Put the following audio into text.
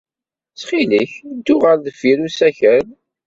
Ttxil-k, ddu ɣer deffir n usakal.